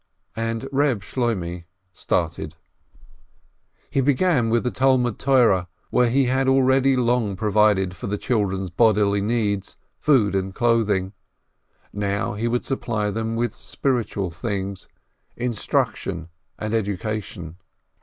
And Reb Shloimeh started. He began with the Talmud Torah, where he had already long provided for the children's bodily needs — food and clothing. Now he would supply them with spiritual things — instruction and education.